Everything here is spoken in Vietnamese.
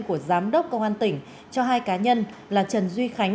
của giám đốc cơ quan tỉnh cho hai cá nhân là trần duy khánh